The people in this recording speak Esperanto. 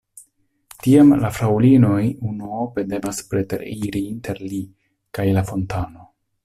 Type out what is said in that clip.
Tiam la fraŭlinoj unuope devas preteriri inter li kaj la fontano.